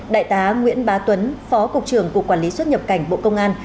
đại tá nguyễn bá tuấn phó cục trưởng cục quản lý xuất nhập cảnh bộ công an